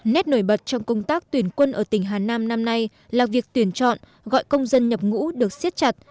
nét nổi bật trong công tác tuyển quân ở tỉnh hà nam năm nay là việc tuyển chọn gọi công dân nhập ngũ được xiết chặt